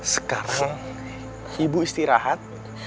sekarang ibu istirahat